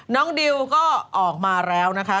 ดิวก็ออกมาแล้วนะคะ